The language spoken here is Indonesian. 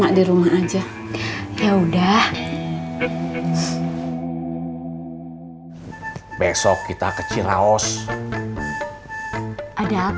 adalah orang mereka yang dine countries on takeoff